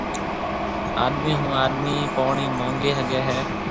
آڏمِي هون آڏمِي پوڻِي مونگي هگهي هيَ۔